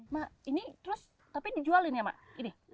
mak ini terus tapi dijualin ya mak ini